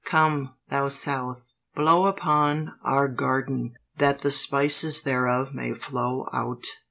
come, thou south! blow upon our garden, that the spices thereof may flow out."